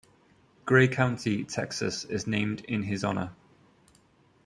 Gray County, Texas, is named in his honor.